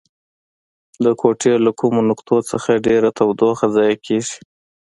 د کوټې له کومو نقطو څخه ډیره تودوخه ضایع کیږي؟